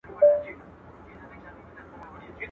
په پردي پرتاگه ځان نه پټېږي.